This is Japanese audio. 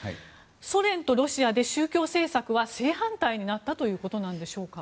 ソ連とロシアで宗教政策は正反対になったということなんでしょうか。